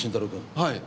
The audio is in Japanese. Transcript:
はい。